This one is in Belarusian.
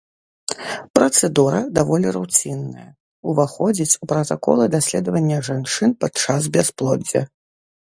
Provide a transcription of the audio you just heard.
Працэдура даволі руцінная, уваходзіць у пратаколы даследавання жанчын падчас бясплоддзя.